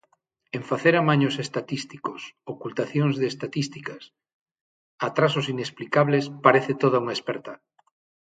En facer amaños estatísticos, ocultacións de estatísticas, atrasos inexplicables, parece toda unha experta.